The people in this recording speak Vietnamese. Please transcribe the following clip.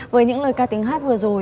với những lời ca tính hát vừa rồi